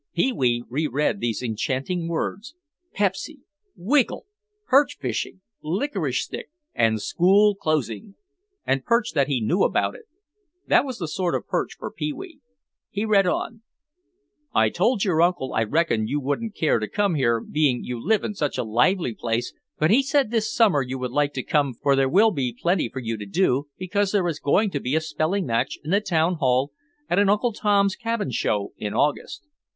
Pee wee reread these enchanting words. Pepsy! Wiggle! Perch fishing! Licorice Stick! And school closing! And perch that knew about it. That was the sort of perch for Pee wee. He read on: I told your uncle I reckoned you wouldn't care to come here being you live in such a lively place but he said this summer you would like to come for there will be plenty for you to do because there is going to be a spelling match in the town hall and an Uncle Tom's Cabin show in August.